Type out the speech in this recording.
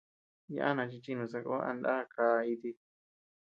Yana chi chìnu sako a nda kaʼa iti.